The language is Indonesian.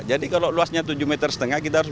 jadi kalau luasnya tujuh lima ratus kita harus